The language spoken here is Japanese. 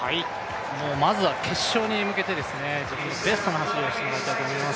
まずは決勝に向けて自分のベストの走りをしてもらいたいと思います。